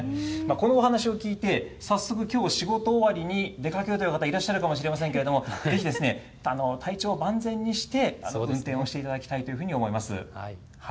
このお話を聞いて、早速きょう、仕事終わりに出かけるという方いらっしゃるかもしれませんけれども、ぜひ体調を万全にして運転をしていただきたいというふうに思います。